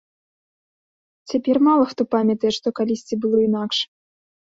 Цяпер мала хто памятае, што калісьці было інакш.